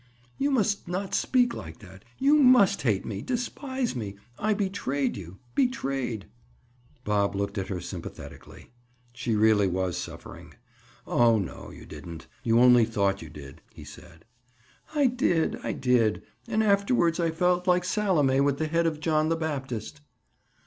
"You must not speak like that. You must hate me—despise me—I betrayed you—betrayed—" Bob looked at her sympathetically. She really was suffering. "Oh, no, you didn't. You only thought you did," he said. "I did! I did! And afterward I felt like Salome with the head of John the Baptist."